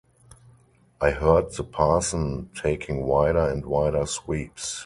I heard the parson taking wider and wider sweeps.